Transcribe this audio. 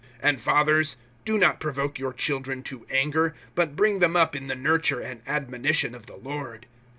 (4)And fathers, do not provoke your children to anger, but bring them up in the nurture and admonition of the Lord.